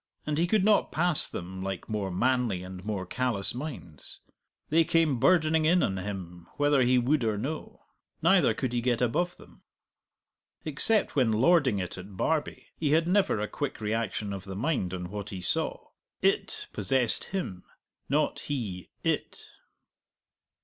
And he could not pass them like more manly and more callous minds; they came burdening in on him whether he would or no. Neither could he get above them. Except when lording it at Barbie, he had never a quick reaction of the mind on what he saw; it possessed him, not he it.